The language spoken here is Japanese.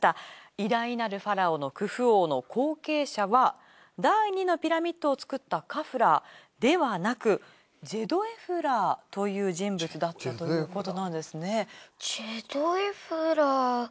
偉大なるファラオのクフ王の後継者は第２のピラミッドを造ったカフラーではなくジェドエフラーという人物だったということなんですね。